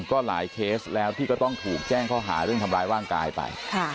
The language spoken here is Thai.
ก็หลายเคสแล้วที่ก็ต้องถูกแจ้งข้อหาเรื่องทำร้ายร่างกายไป